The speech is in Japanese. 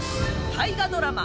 大河ドラマ